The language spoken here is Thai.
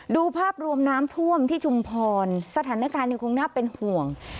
ดูภาพรวมน้ำท่วมที่ชุมพรสถานการณ์ยังคงน่าเป็นห่วง